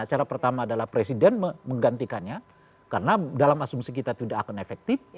cara pertama adalah presiden menggantikannya karena dalam asumsi kita tidak akan efektif